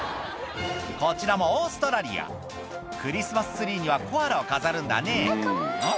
こちらもオーストラリアクリスマスツリーにはコアラを飾るんだねん？